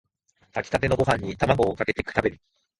炊きたてのご飯にタマゴかけて食べる